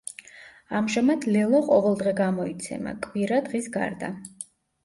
ამჟამად „ლელო“ ყოველდღე გამოიცემა, კვირა დღის გარდა.